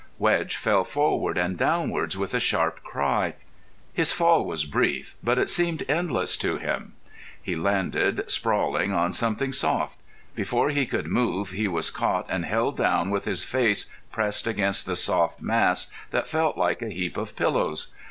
Wedge fell forward and downwards with a sharp cry. His fall was brief, but it seemed endless to him. He landed, sprawling, on something soft. Before he could move he was caught and held down with his face pressed against the soft mass that felt like a heap of pillows.